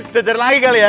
teter lagi kali ya